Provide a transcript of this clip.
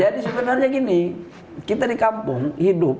jadi sebenarnya gini kita di kampung hidup